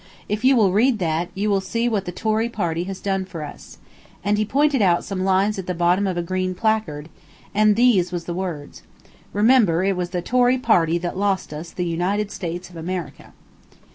If you will read that, you will see what the Tory party has done for us," and he pointed out some lines at the bottom of a green placard, and these was the words: "Remember it was the Tory party that lost us the United States of America."